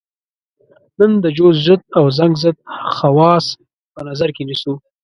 نن د جوش ضد او زنګ ضد خواص په نظر کې نیسو.